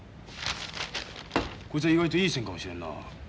こいつは意外といい線かもしれんなあ。